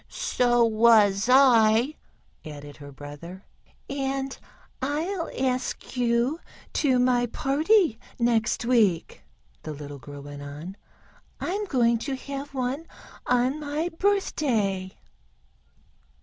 "So was I," added her brother. "And I'll ask you to my party next week," the little girl went on. "I'm going to have one on my birthday."